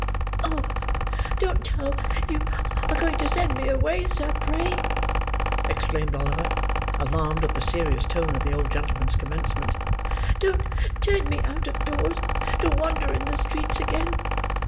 "Oh, don't tell you are going to send me away, sir, pray!" exclaimed Oliver, alarmed at the serious tone of the old gentleman's commencement! "Don't turn me out of doors to wander in the streets again.